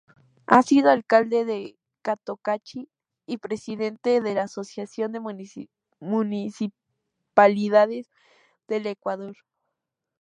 Ha sido alcalde de Cotacachi y presidente de la Asociación de Municipalidades del Ecuador.